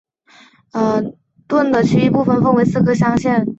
盾的其余部分分为四个象限。